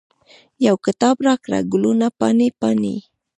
یو کتاب راکړه، ګلونه پاڼې، پاڼې